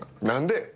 何で？